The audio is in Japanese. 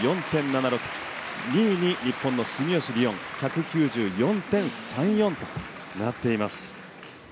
２位に日本の住吉りをん１９４．３４となっています。